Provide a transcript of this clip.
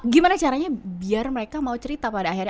gimana caranya biar mereka mau cerita pada akhirnya